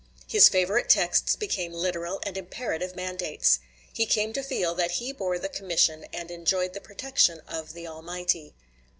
His favorite texts became literal and imperative mandates; he came to feel that he bore the commission and enjoyed the protection of the Almighty.